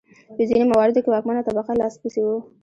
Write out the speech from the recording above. په ځینو مواردو کې واکمنه طبقه لاسپوڅي وو.